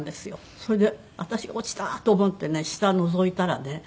それで私が落ちたと思ってね下のぞいたらね。